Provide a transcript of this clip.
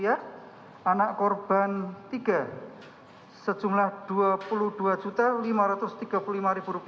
dan anak korban sebelas sejumlah rp tujuh puluh lima tujuh ratus tujuh puluh